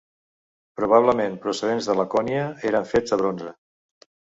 Probablement procedents de Lacònia, eren fets de bronze.